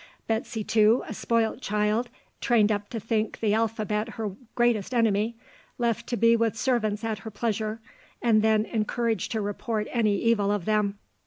Betsy, too, a spoilt child, trained up to think the alphabet her greatest enemy, left to be with servants at her pleasure, and then encouraged to report any evil of them."